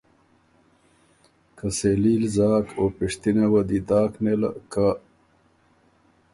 که سېلي ل زاک او پِشتِنه وه دی داک نېله که